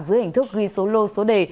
dưới hình thức ghi số lô số đề